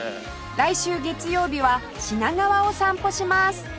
来週月曜日は品川を散歩します